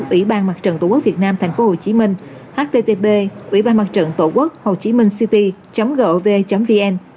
ủy ban mặt trận tổ quốc việt nam tp hcm http www hctp gov vn